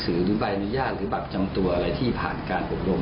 หรือใบอนุญาตหรือบัตรจำตัวอะไรที่ผ่านการอบรม